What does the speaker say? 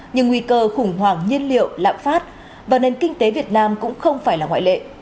nhưng nguy cơ khủng hoảng nhiên liệu lạm phát và nền kinh tế việt nam cũng không phải là ngoại lệ